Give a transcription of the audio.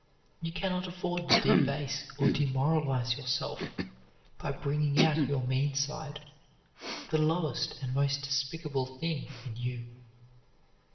You can not afford to debase or demoralize yourself by bringing out your mean side, the lowest and most despicable thing in you.